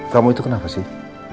kamu itu kenapa sih